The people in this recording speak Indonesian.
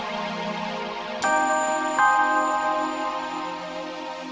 saya ingin tijdur selama ini